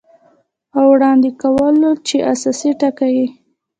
او وړاندې کولو چې اساسي ټکي یې